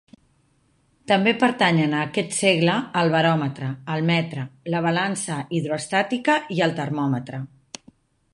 També pertanyen a aquest segle el baròmetre, el metre, la balança hidroestàtica i el termòmetre.